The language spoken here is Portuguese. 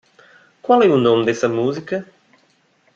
Qual é o nome dessa música?